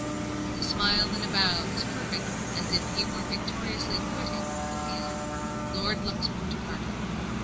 With a smile and bow as perfect as if he were victoriously quitting the field, Lord Luxmore departed.